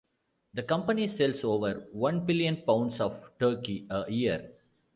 The company sells over one billion pounds of turkey a year.